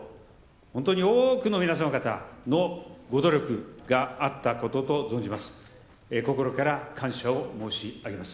本当に多くの皆様方のご努力があったことと存じます。